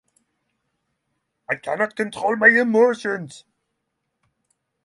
I cannot control my emotions.